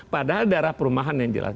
padahal daerah perumahan yang jelas